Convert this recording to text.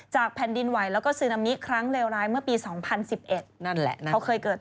จากแผ่นดินไหวคือกลังเกิดด้วย